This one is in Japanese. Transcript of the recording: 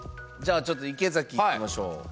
じゃあちょっと池崎いきましょう。